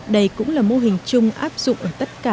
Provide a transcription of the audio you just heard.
đây cũng là mô hình chung áp dụng ở tất cả các doanh nghiệp